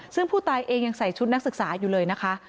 ซึ่งผู้ตายเองยังใส่ชุดนักศึกษาอยู่เลยนะคะ